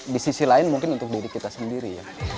di sisi lain mungkin untuk diri kita sendiri